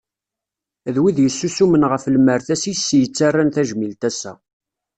D wid yessusemen ɣef lmerta-s i s-yettarran tajmilt assa.